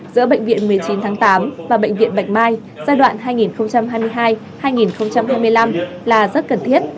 giữa bệnh viện một mươi chín tháng tám và bệnh viện bạch mai giai đoạn hai nghìn hai mươi hai hai nghìn hai mươi năm là rất cần thiết